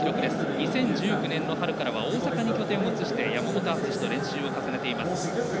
２０１９年の春からは大阪に拠点を移して山本篤と練習を続けています。